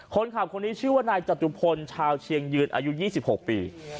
คนนี้ชื่อว่านายจตุพลชาวเชียงยืนอายุ๒๖ปี